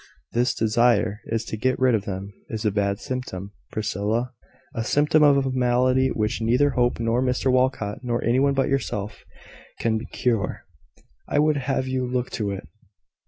This desire to get rid of them is a bad symptom, Priscilla a symptom of a malady which neither Hope nor Mr Walcot, nor any one but yourself, can cure. I would have you look to it."